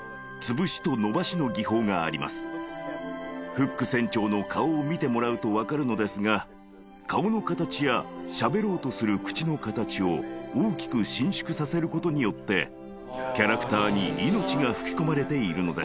フック船長の顔を見てもらうと分かるのですが顔の形やしゃべろうとする口の形を大きく伸縮させることによってキャラクターに命が吹き込まれているのです。